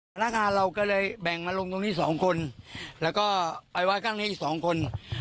พนักงานเราก็เลยแบ่งมาลงตรงนี้สองคนแล้วก็ไปไว้ข้างนี้อีกสองคน